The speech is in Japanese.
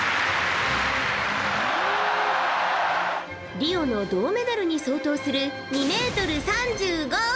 リオの銅メダルに相当する２ｍ３５！